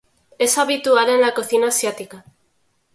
Es habitual en la cocina asiática.